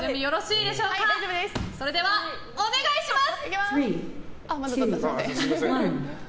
それではお願いします！